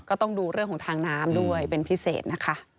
ก็ต้องดูเรื่องของทางน้ำด้วยเป็นพิเศษนะคะ